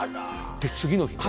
で次の日ね